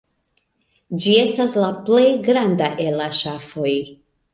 Ĝi estas la plej granda el la ŝafoj.